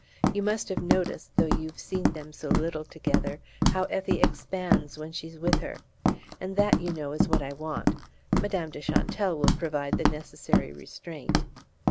You must have noticed, though you've seen them so little together, how Effie expands when she's with her. And that, you know, is what I want. Madame de Chantelle will provide the necessary restraint."